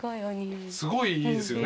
すごいいいですよね？